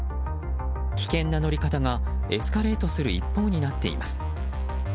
危険な乗り方がエスカレートする一方になっています。